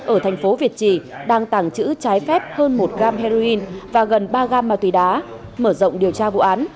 ở thành phố việt trì đang tàng trữ trái phép hơn một gram heroin và gần ba gam ma túy đá mở rộng điều tra vụ án